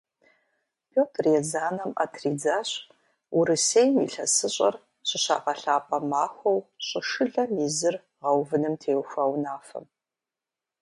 Пётр Езанэм Ӏэ тридзащ Урысейм ИлъэсыщӀэр щыщагъэлъапӀэ махуэу щӀышылэм и зыр гъэувыным теухуа унафэм.